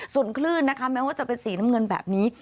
ส่วนคลื่นนะคะแม้ว่าจะเป็นสีน้ำเงินแบบนี้